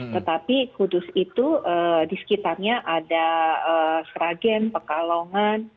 tetapi kudus itu di sekitarnya ada sragen pekalongan